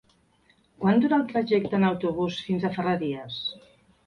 Quant dura el trajecte en autobús fins a Ferreries?